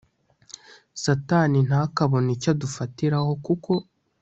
satani ntakabone icyo adufatiraho kuko